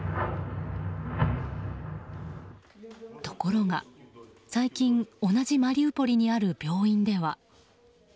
ところが最近同じマリウポリにある病院では。